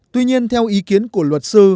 tuy nhiên theo ý kiến của luật sư